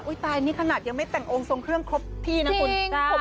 ตายนี่ขนาดยังไม่แต่งองค์ทรงเครื่องครบที่นะคุณ